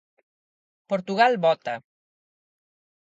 Portugal vota.